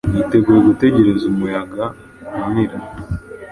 Yiteguye gutegereza umuyaga-umira